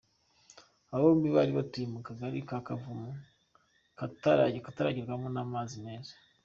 Aba bombi bari batuye mu Kagari ka Kavumu kataragerwamo n’amazi meza.